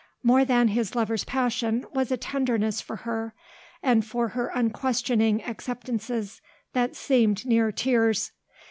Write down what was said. More than his lover's passion was a tenderness for her and for her unquestioning acceptances that seemed near tears.